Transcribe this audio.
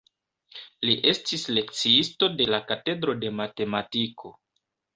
Li estis lekciisto de la katedro de matematiko.